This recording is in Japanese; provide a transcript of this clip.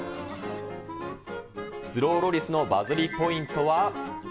スローロリスのバズりポイントは。